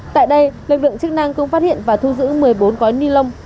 tại đây lực lượng chức năng cũng phát hiện và thu giữ một mươi bốn gói ni lông